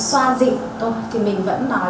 xoa dịp thôi thì mình vẫn nói